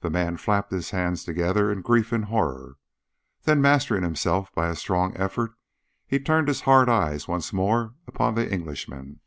The man flapped his hands together in grief and horror. Then mastering himself by a strong effort he turned his hard eyes once more upon the Englishman.